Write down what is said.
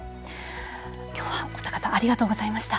きょうは、お二方ありがとうございました。